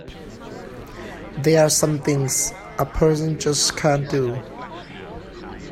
There are some things a person just can't do!